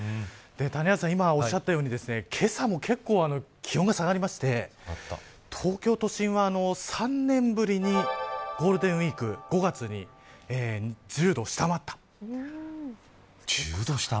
谷原さんが今おっしゃったようにけさもけっこう気温が下がりまして東京都心は３年ぶりにゴールデンウイーク、５月に１０度を下回った。